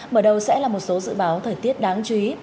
mở đầu sẽ là một số dự báo thời tiết đáng chú ý